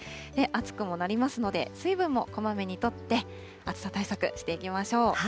暑くもなりますので、水分もこまめにとって、暑さ対策していきましょう。